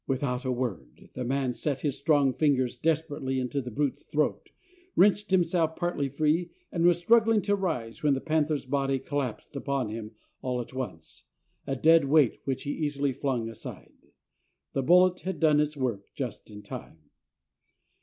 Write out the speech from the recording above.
Without a word, the man set his strong fingers desperately into the brute's throat, wrenched himself partly free, and was struggling to rise, when the panther's body collapsed upon him all at once, a dead weight which he easily flung aside. The bullet had done its work just in time.